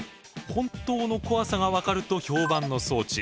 本当の怖さが分かると評判の装置。